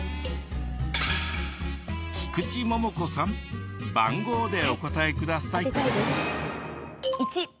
菊池桃子さん番号でお答えください。